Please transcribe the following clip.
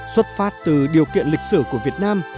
xuất phát từ điều kiện lịch sử của việt nam